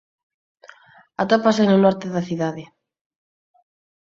Atópase no norte da cidade.